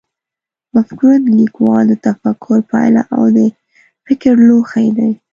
مفکوره د لیکوال د تفکر پایله او د فکر لوښی دی.